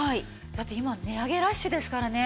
だって今値上げラッシュですからね。